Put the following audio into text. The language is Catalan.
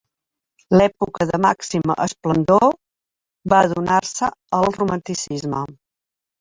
L'època de màxima esplendor va donar-se al romanticisme.